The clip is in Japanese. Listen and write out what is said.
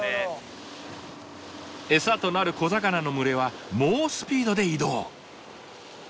エサとなる小魚の群れは猛スピードで移動。